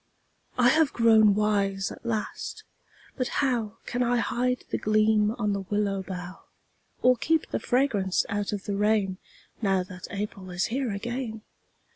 I have grown wise at last but how Can I hide the gleam on the willow bough, Or keep the fragrance out of the rain Now that April is here again?